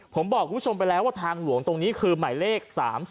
ผมบอกคุณผู้ชมไปแล้วว่าทางหลวงตรงนี้คือหมายเลข๓๒